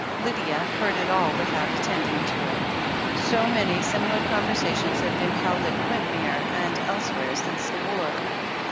Lydia heard it all without attending to it. So many similar conversations had been held at Quintmere and elsewhere since the war.